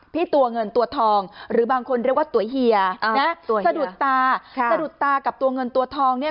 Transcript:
ตัวเงินตัวทองหรือบางคนเรียกว่าตัวเฮียนะสะดุดตาสะดุดตากับตัวเงินตัวทองเนี่ย